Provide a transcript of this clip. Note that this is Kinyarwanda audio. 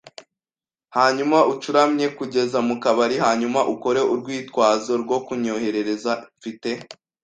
hanyuma ucuramye kugeza mu kabari, hanyuma ukore urwitwazo rwo kunyoherereza. mfite